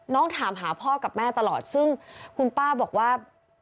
ถามหาพ่อกับแม่ตลอดซึ่งคุณป้าบอกว่า